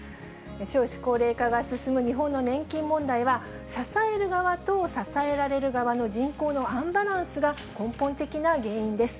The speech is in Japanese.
少子高齢化が進む日本の年金問題は、支える側と、支えられる側の人口のアンバランスが根本的な原因です。